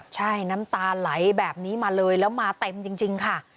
ใช่น้ำตาไหลแบบนี้มาเลยแล้วมาเต็มจริงค่ะ